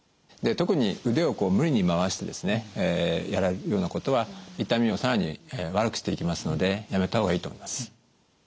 特に腕を無理に回してですねやられるようなことは痛みを更に悪くしていきますのでやめた方がいいと思います。